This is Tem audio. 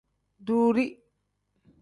Duuri.